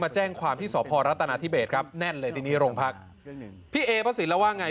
แจ้งความที่สพรัฐนาธิเบสครับแน่นเลยทีนี้โรงพักพี่เอพระสินแล้วว่าไง